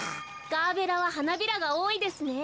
ガーベラははなびらがおおいですね。